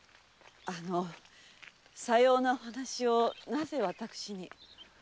あのさようなお話をなぜ私に？